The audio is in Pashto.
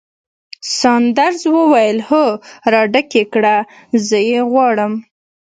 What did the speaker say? ساندرز وویل: هو، راډک یې کړه، زه یې غواړم.